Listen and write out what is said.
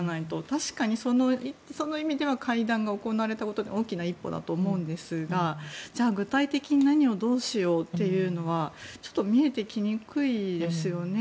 確かに、その意味では会談が行われたことは大きな一歩だと思うんですがじゃあ、具体的に何をどうしようというのはちょっと見えてきにくいですよね。